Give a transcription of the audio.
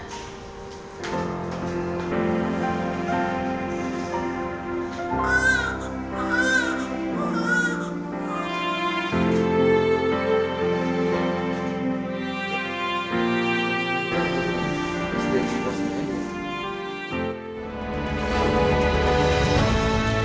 tidak ada yang bisa dihukum